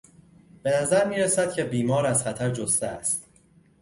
به نظر میرسد که بیمار از خطر جسته است.